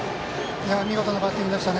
見事なバッティングでした。